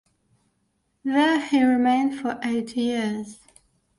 There he remained for eight years.